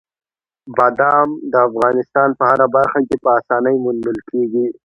بادام د افغانستان په هره برخه کې په اسانۍ موندل کېږي.